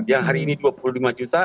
yang hari ini dua puluh lima juta